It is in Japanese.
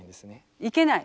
いけない？